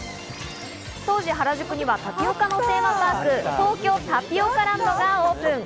当時、原宿にはタピオカのテーマパーク・東京タピオカランドがオープン。